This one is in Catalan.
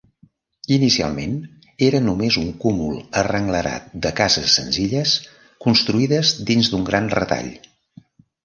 Inicialment, era només un cúmul arrenglerat de cases senzilles construïdes dins d'un gran retall.